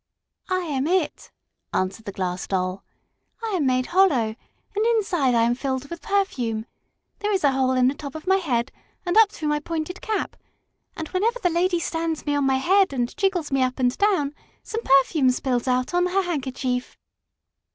"I am it," answered the Glass Doll. "I am made hollow, and inside I am filled with perfume. There is a hole in the top of my head and up through my pointed cap, and whenever the lady stands me on my head and jiggles me up and down some perfume spills out on her handkerchief."